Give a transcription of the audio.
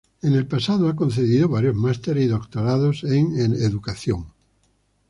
En el pasado ha concedió varios másteres y doctorados en Educación Religiosa.